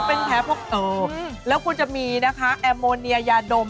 เป็นแพ้พวกโตแล้วคุณจะมีนะคะแอมโมเนียยาดม